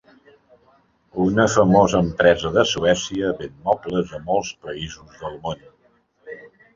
Una famosa empresa de Suècia ven mobles a molts països del món.